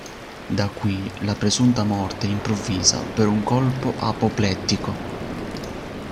Da qui la presunta morte improvvisa per un colpo apoplettico.